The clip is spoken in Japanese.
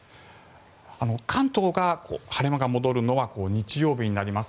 関東が晴れ間が戻るのは日曜日になります。